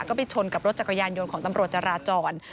ก็ไปชนกับรถจักรยานยนต์ของตำรวจจราจร